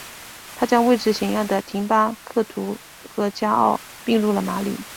他将位置显要的廷巴克图和加奥并入了马里。